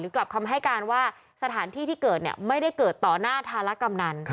กลับคำให้การว่าสถานที่ที่เกิดไม่ได้เกิดต่อหน้าธารกำนัน